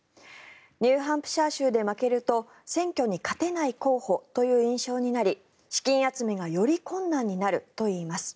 ニューハンプシャー州で負けると選挙に勝てない候補という印象になり資金集めがより困難になるといいます。